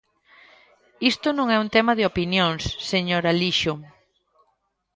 Isto non é un tema de opinións, señor Alixo.